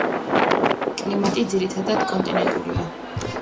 კლიმატი ძირითადად კონტინენტურია.